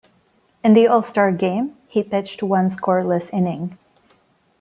In the All-Star game, he pitched one scoreless inning.